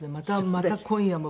「また今夜も」